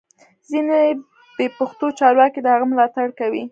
ځینې بې پښتو چارواکي د هغه ملاتړ کوي